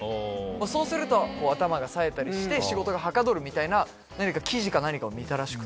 そうすると頭がさえたりして仕事がはかどるみたいな記事か何かを見たらしくて。